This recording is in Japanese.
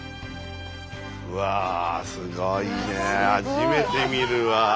うわすごいね初めて見るわ。